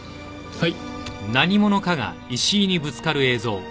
はい。